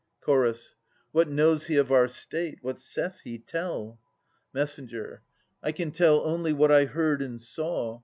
Ch. What knows he of our state? Whatsaithhe? Tell. Mess. I can tell only what I heard and saw.